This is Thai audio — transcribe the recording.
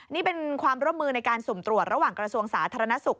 นี่เป็นความร่วมมือในการสุ่มตรวจระหว่างกระทรวงสาธารณสุข